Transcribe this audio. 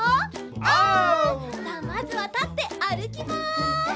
さあまずはたってあるきます。